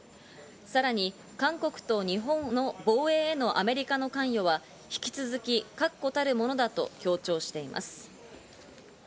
さらに韓国と日本の防衛へのアメリカの関与は引き続き、確固たるものだと強調しています。